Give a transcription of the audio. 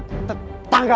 umi mau kemana